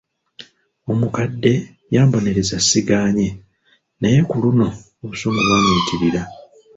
Omukadde yambonereza sigaanye, naye ku luno obusungu bwamuyitirira.